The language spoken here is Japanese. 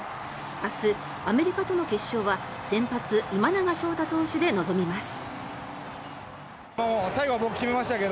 明日アメリカとの決勝は先発、今永昇太投手で臨みます。